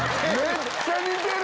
めっちゃ似てる！